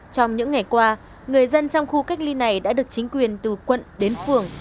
trong những ngày qua người dân trong khu cách ly này đã được chính quyền từ quận đến phường